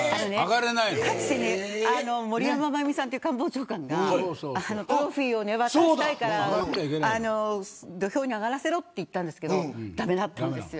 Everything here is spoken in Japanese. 森山眞弓さんという官房長官がトロフィーを渡したいから土俵に上がらせろと言ったんですけど駄目だったんです。